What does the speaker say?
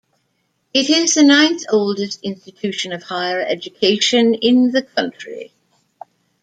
It is the ninth oldest institution of higher education in the country.